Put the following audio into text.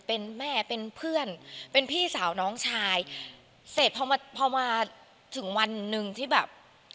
เป็นแม่เป็นเพื่อนเป็นพี่สาวน้องชายเสร็จพอมาพอมาถึงวันหนึ่งที่แบบ